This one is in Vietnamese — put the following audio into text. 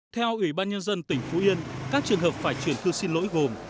theo ủy ban nhân dân tỉnh phú yên các trường hợp phải chuyển thư xin lỗi gồm